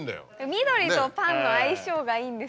緑とパンの相性がいいんですよ。